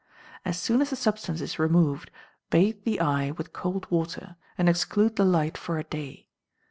As soon as the substance is removed, bathe the eye with cold water, and exclude the light for a day.